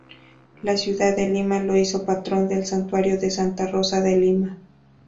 La ciudad de Lima lo hizo Patrón del Santuario de santa Rosa de Lima.